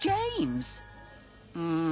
うん？